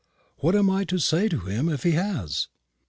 "What am I to say to him if he has?